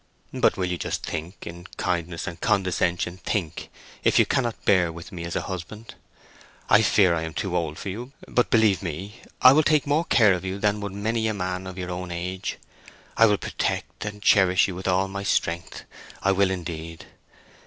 "But you will just think—in kindness and condescension think—if you cannot bear with me as a husband! I fear I am too old for you, but believe me I will take more care of you than would many a man of your own age. I will protect and cherish you with all my strength—I will indeed!